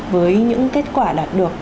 với những kết quả đạt được